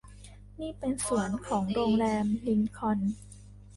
นี่เป็นสวนของโรงแรมลินคอล์น